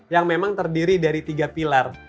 yang memang terdiri dari tiga pilar